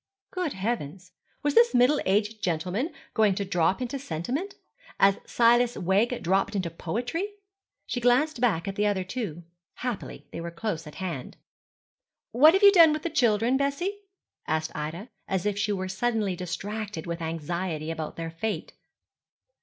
Good heavens, was this middle aged gentleman going to drop into sentiment, as Silas Wegg dropped into poetry? She glanced back at the other two. Happily they were close at hand. 'What have you done with the children, Bessie?' asked Ida, as if she were suddenly distracted with anxiety about their fate.